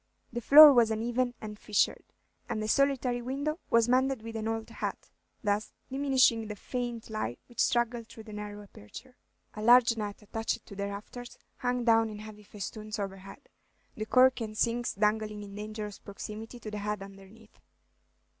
The floor was uneven and fissured, and the solitary window was mended with an old hat, thus diminishing the faint light which struggled through the narrow aperture. A large net, attached to the rafters, hung down in heavy festoons overhead, the corks and sinks dangling in dangerous proximity to the heads underneath.